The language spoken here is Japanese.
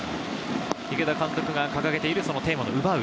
池田監督が掲げているテーマの「奪う」。